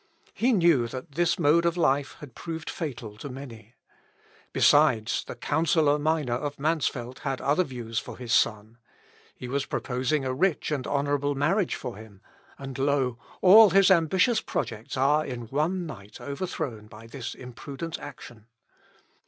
He knew that this mode of life had proved fatal to many. Besides, the counsellor miner of Mansfield had other views for his son. He was proposing a rich and honourable marriage for him and, lo! all his ambitious projects are in one night overthrown by this imprudent action.